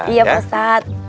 iya pak ustadz